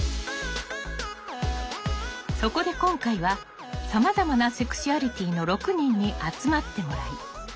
そこで今回はさまざまなセクシュアリティーの６人に集まってもらい座談会を開催。